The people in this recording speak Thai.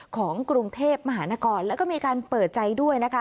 ของกรุงเทพมหานครแล้วก็มีการเปิดใจด้วยนะคะ